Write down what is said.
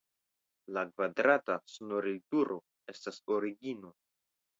La kvadrata sonorilturo estas origino.